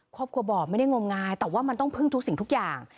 ครอบครัวบอกไม่ได้งมงายแต่ว่ามันต้องพึ่งทุกสิ่งทุกอย่าง